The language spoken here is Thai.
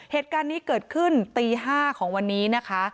เหตุการณ์นี้เกิดขึ้นตี๕ของวันนี้นะคะ